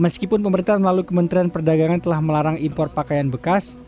meskipun pemerintah melalui kementerian perdagangan telah melarang impor pakaian bekas